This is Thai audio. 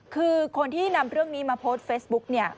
คือคนที่นำเรื่องนี้มาโพสต์เฟสบุ๊ค